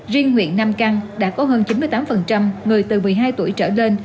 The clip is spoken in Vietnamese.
riêng huyện nam căn đã có hơn chín mươi tám người từ một mươi hai tuổi trở lên